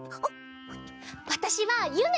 わたしはゆめ。